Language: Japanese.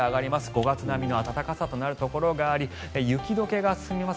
５月並みの暖かさとなるところがあり雪解けが進みます。